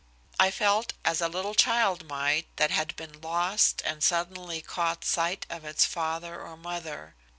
I felt as a little child might that had been lost and suddenly caught sight of its father or mother.